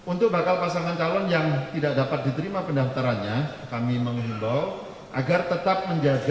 untuk bakal pasangan calon yang tidak dapat diterima pendaftarannya kami mengimbau agar tetap menjadi